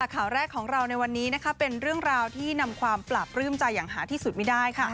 ข่าวแรกของเราในวันนี้นะคะเป็นเรื่องราวที่นำความปราบปลื้มใจอย่างหาที่สุดไม่ได้ค่ะ